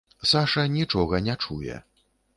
Саша нічога не чуе.